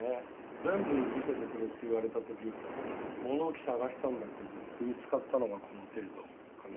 全部見せてくれって言われた時物置探したんだけど見つかったのがこの程度かな。